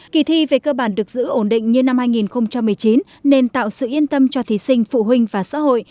kỳ thi về cơ bản được giữ ổn định như năm hai nghìn một mươi chín nên tạo sự yên tâm cho thí sinh phụ huynh và xã hội